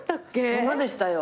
そんなでしたよ。